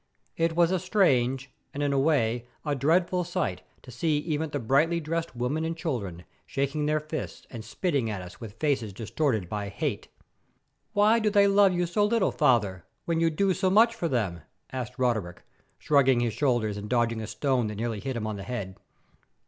It was a strange, and, in a way, a dreadful sight to see even the brightly dressed women and children shaking their fists and spitting at us with faces distorted by hate. "Why they love you so little, father, when you do so much for them?" asked Roderick, shrugging his shoulders and dodging a stone that nearly hit him on the head.